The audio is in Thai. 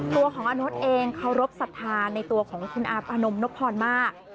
ตัวของอาโน๊ตเองเคารพสัทธาในตัวของคุณอาปานมนพรมาก